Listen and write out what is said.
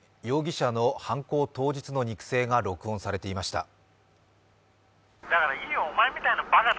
容疑者の犯行当日の肉声が録音されていました。